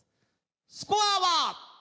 スコアは！